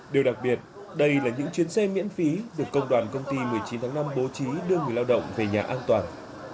điều đặc biệt đây là những chuyến xe miễn phí được công đoàn công ty một mươi chín tháng năm bố trí đưa người lao động về nhà an toàn